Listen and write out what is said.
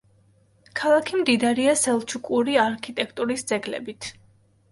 ქალაქი მდიდარია სელჩუკური არქიტექტურის ძეგლებით.